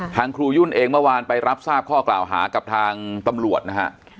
ทางครูยุ่นเองเมื่อวานไปรับทราบข้อกล่าวหากับทางตำรวจนะฮะ